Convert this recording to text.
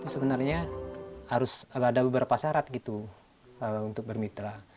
sebenarnya harus ada beberapa syarat gitu untuk bermitra